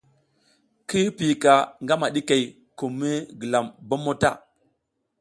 Kira piyika ngama ɗikey kum mi gilam bommo ta.